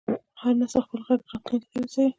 هر نسل خپل غږ راتلونکي ته رسوي.